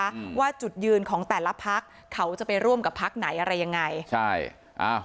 อืมว่าจุดยืนของแต่ละพักเขาจะไปร่วมกับพักไหนอะไรยังไงใช่อ้าว